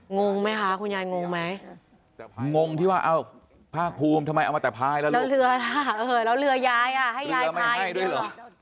งงไหมคะคุณยายงงไหมงงที่ว่าเอาผ้าภูมิทำไมเอามาแต่พายแล้วแล้วเรือยายให้ยายไม่ให้ด้วยหรอ